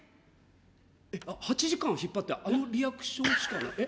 えっ８時間引っ張ってあのリアクションしかない？